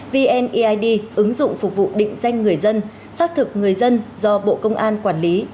vneid ứng dụng phục vụ định danh người dân xác thực người dân do bộ công an quản lý